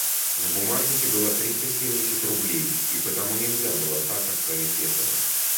В бумажнике было триста семьдесят рублей, и потому нельзя было так оставить этого.